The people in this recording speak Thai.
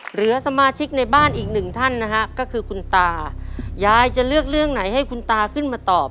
เหลือสมาชิกในบ้านอีกหนึ่งท่านนะฮะก็คือคุณตายายจะเลือกเรื่องไหนให้คุณตาขึ้นมาตอบ